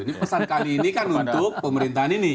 ini pesan kami ini kan untuk pemerintahan ini